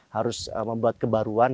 harus membuat kebaruan